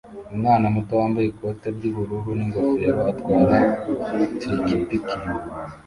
Umwana muto wambaye ikote ry'ubururu n'ingofero atwara trikipiki